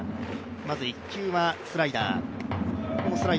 まず１球はスライダー。